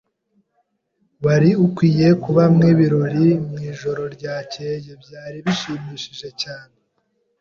Wari ukwiye kuba mwibirori mwijoro ryakeye. Byari bishimishije cyane.